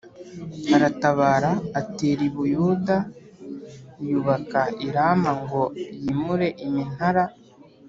aratabara atera i Buyuda yubaka i Rama ngo yimure imintara.